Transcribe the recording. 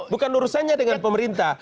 bukan urusannya dengan pemerintah